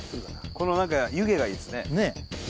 この何か湯気がいいですね